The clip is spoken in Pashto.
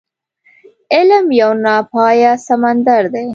علم يو ناپايه سمندر دی.